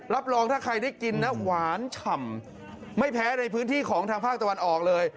รับรองถ้าใครได้กินนะหวานฉ่ำไม่แพ้ในพื้นที่ของทางภาคตะวันออกเลย